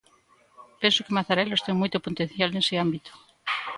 Penso que Mazarelos ten moito potencial nese ámbito.